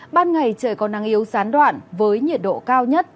ban ngày trời còn nắng yếu sán đoạn với nhiệt độ cao nhất